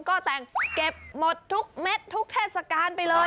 ก็แต่งเก็บหมดทุกเม็ดทุกเทศกาลไปเลย